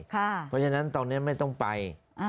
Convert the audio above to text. เพราะฉะนั้นตอนนี้ไม่ต้องไป